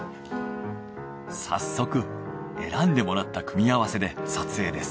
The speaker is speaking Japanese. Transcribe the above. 早速選んでもらった組み合わせで撮影です。